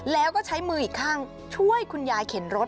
แล้วก็ใช้มืออีกข้างช่วยคุณยายเข็นรถ